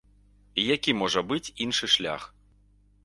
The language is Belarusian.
Які можа быць іншы шлях?